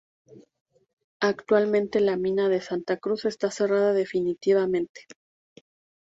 Actualmente la mina de Santa Cruz está cerrada definitivamente.